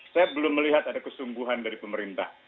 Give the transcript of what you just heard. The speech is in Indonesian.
saya belum melihat ada kesungguhan dari pemerintah